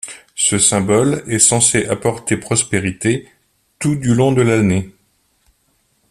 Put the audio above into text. Ce symbole est censé apporter prospérité tout du long de l'année.